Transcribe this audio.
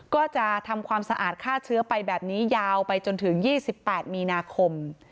ก็จะทำความสะอาดฆ่าเชื้อไปแบบนี้ยาวไปจนถึง๒๘มีนาคม